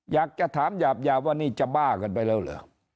อยากจะถามหยาบว่านี่จะบ้ากันไปแล้วเหรอ